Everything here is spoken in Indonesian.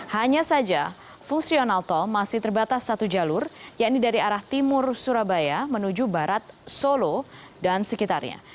hanya saja fungsional tol masih terbatas satu jalur yaitu dari arah timur surabaya menuju barat solo dan sekitarnya